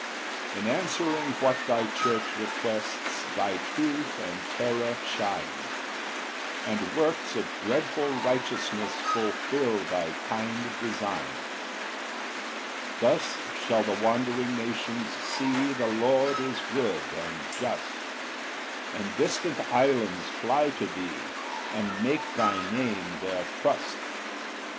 4 In answering what thy church requests Thy truth and terror shine, And works of dreadful righteousness Fulfil thy kind design. 5 Thus shall the wondering nations see The Lord is good and just; And distant islands fly to thee, And make thy Name their trust.